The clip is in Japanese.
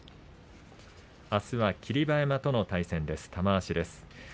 あすは霧馬山との対戦です玉鷲です。